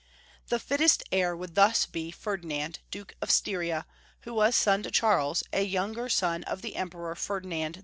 The fittest heir would thus be Ferdinand, Duke of Styria, who was son to Charles, a younger son of the Emperor, Ferdinand II.